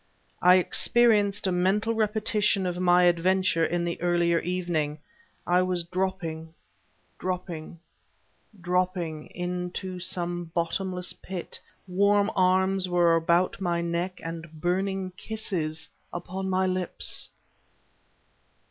I experienced a mental repetition of my adventure in the earlier evening I was dropping, dropping, dropping into some bottomless pit ... warm arms were about my neck; and burning kisses upon my lips.